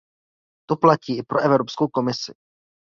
To platí i pro Evropskou komisi.